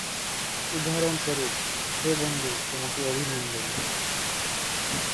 উদাহরণস্বরূপ- হে বন্ধু, তোমাকে অভিনন্দন।